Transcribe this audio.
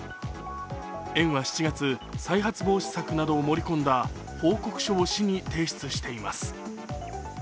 園は７月、再発防止策などを盛り込んだ報告書を市に提出しています。